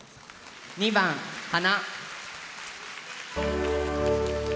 ２番「花」。